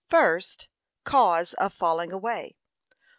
First [Cause of falling away.